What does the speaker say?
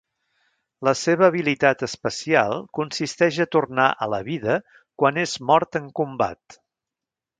La seva habilitat especial consisteix a tornar a la vida quan és mort en combat.